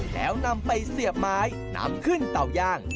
แล้วนำไปเสียบไม้นำขึ้นเตาย่าง